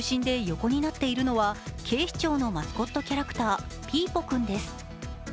その中心で横になっているのは警視庁のマスコットキャラクター・ピーポくんです。